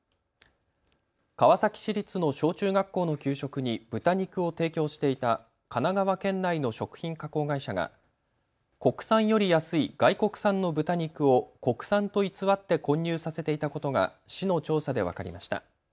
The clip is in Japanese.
川崎市立の小中学校の給食に豚肉を提供していた神奈川県内の食品加工会社が国産より安い外国産の豚肉を国産と偽って混入させていたことが市の調査で分かりました。